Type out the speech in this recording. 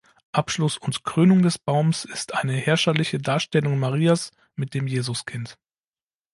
Abschluss und Krönung des Baums ist eine herrscherliche Darstellung Marias mit dem Jesuskind.